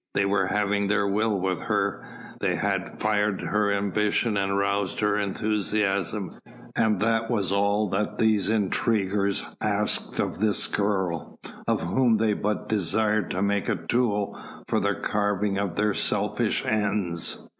They were having their will with her; they had fired her ambition and roused her enthusiasm, and that was all that these intriguers asked of this girl, of whom they but desired to make a tool for the carving of their own selfish ends.